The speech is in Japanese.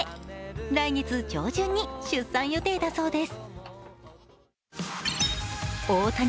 来月上旬に出産予定だそうです。